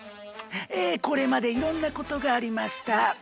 えこれまでいろんなことがありました。